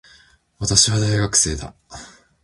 私は、大学生だ。